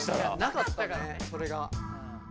なかったからねそれが。